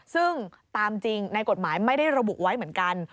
ซึ่งตามจริงในกฎหมายไม่ได้ระบุไว้เหมือนกัน